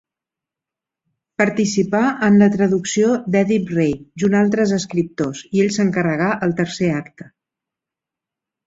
Participà en la traducció d'Èdip Rei junt altres escriptors, i ell s'encarregà el tercer acte.